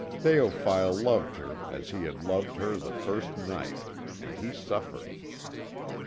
Théophile loved her as he had loved her the first night, and he suffered.